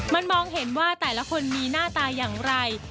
มันมองเห็นว่าแต่ละคนมีหน้าตาอย่างไร